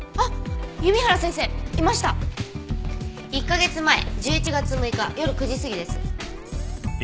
１カ月前１１月６日夜９時過ぎです。